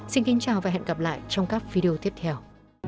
xin kính chào và hẹn gặp lại trong các video tiếp theo